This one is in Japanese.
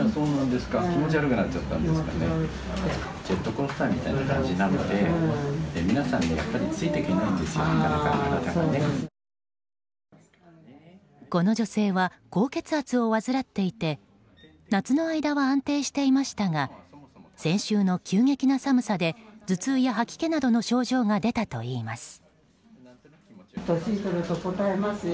この女性は高血圧を患っていて夏の間は安定していましたが先週の急激な寒さで頭痛や吐き気などの症状が出たといいます。